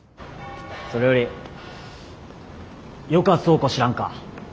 それよりよか倉庫知らんか？